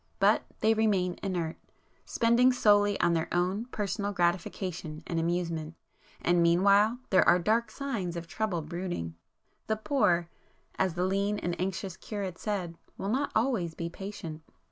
But they remain inert;—spending solely on their own personal gratification and amusement,—and meanwhile there are dark signs of trouble brooding. The poor, as the lean and anxious curate said, will not always be patient!